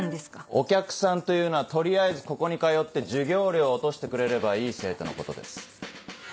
お客さんというのは取りあえずここに通って授業料を落としてくれればいい生徒のことです。